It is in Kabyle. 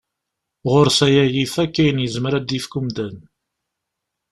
Ɣur-s aya yif akk ayen yezmer ad ak-yefk umdan.